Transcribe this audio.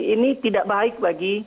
ini tidak baik bagi